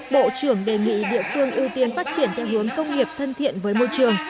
bộ trưởng đề nghị địa phương ưu tiên phát triển theo hướng công nghiệp thân thiện với môi trường